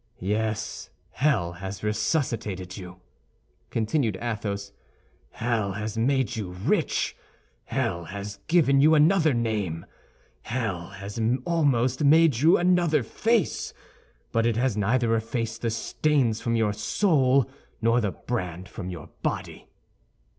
"Yes, hell has resuscitated you," continued Athos. "Hell has made you rich, hell has given you another name, hell has almost made you another face; but it has neither effaced the stains from your soul nor the brand from your body."